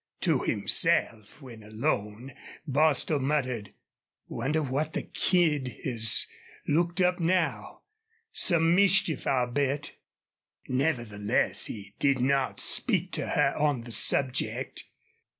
To himself, when alone, Bostil muttered: "Wonder what the kid has looked up now? Some mischief, I'll bet!" Nevertheless, he did not speak to her on the subject.